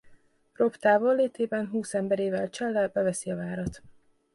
Robb távollétében húsz emberével csellel beveszi a várat.